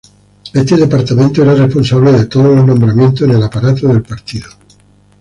Este departamento era responsable de todos los nombramientos en el aparato del Partido.